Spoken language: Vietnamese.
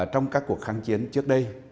trong các cuộc kháng chiến trước đây